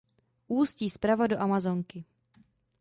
Ústí zprava do Amazonky.